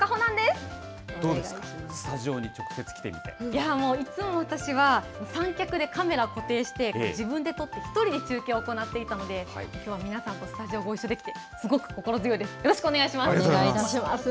どうですか、スタジオに直接もう、いつも私は、三脚でカメラ固定して、自分で撮って、１人で中継を行っていたので、きょうは皆さんとスタジオご一緒できて、すごく心強いです。